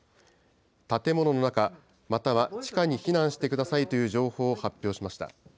建物の中、または地下に避難してくださいという情報を発表しました。